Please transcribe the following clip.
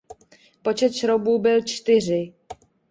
Počet šroubů byl čtyři.